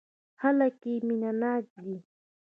خلک يې مينه ناک دي.